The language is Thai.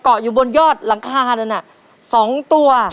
เกาะอยู่บนยอดหลังคาดันอ่ะสองตัว